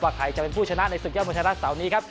ใครจะเป็นผู้ชนะในศึกยอดมวยไทยรัฐเสาร์นี้ครับ